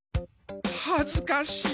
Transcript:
はずかしい。